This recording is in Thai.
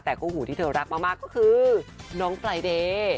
แต่คู่หูที่เธอรักมากก็คือน้องไฟเดย์